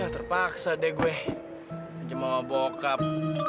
terpaksa deh gue cuma bokap